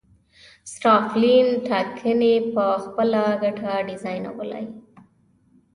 ستالین ټاکنې په خپله ګټه ډیزاینولې.